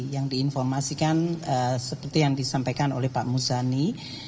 yang diinformasikan seperti yang disampaikan oleh pak muzani